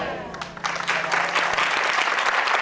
โอ๊ย